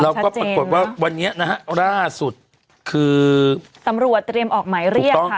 แล้วก็ปรากฏว่าวันนี้นะฮะล่าสุดคือตำรวจเตรียมออกหมายเรียกค่ะ